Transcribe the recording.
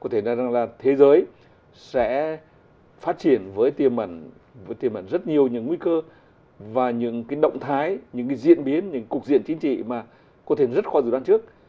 có thể là thế giới sẽ phát triển với tiềm ẩn rất nhiều những nguy cơ và những cái động thái những cái diễn biến những cái cục diện chính trị mà có thể rất khó dự đoán trước